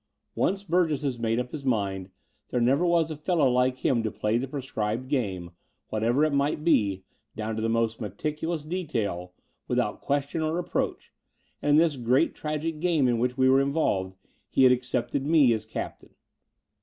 Oi^ce Burgess has made up his mind, there never was a fellow like him to play the prescribed game, what ever it might be, down to the most meticulous detail without question or reproach: and in this great tragic game in which we were involved he had accepted me as captain.